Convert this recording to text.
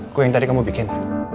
gue yang tadi kamu bikin